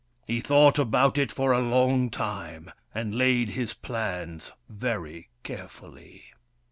He thought about it for a long time, and laid his plans very carefully.